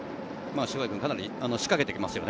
塩貝君、かなり仕掛けてきますよね。